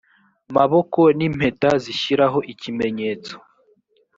maboko n impeta zishyiraho ikimenyetso